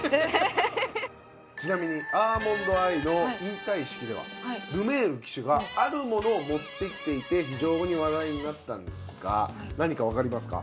ちなみにアーモンドアイの引退式ではルメール騎手があるものを持ってきていて非常に話題になったんですが何か分かりますか？